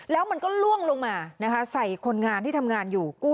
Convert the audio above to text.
แล้วมันก็ล่วงลงมานะคะใส่คนงานที่ทำงานอยู่